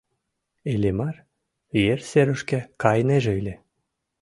Иллимар ер серышке кайынеже ыле.